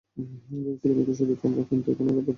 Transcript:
ভেবেছিলাম ওদের সবাইকে আমরা কিন্তু এখন ওরা আবার ফিরছে।